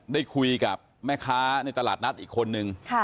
ได้คุยกับแม่ค้าในตลาดนัดอีกคนนึง